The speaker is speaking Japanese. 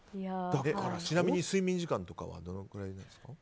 ちなみに、睡眠時間とかはどのくらいなんですか？